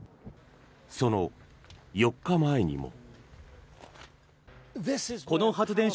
その４日前にも。